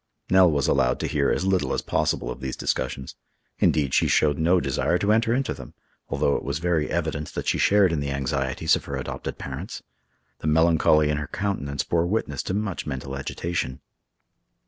Nell was allowed to hear as little as possible of these discussions. Indeed, she showed no desire to enter into them, although it was very evident that she shared in the anxieties of her adopted parents. The melancholy in her countenance bore witness to much mental agitation.